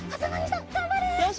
よし。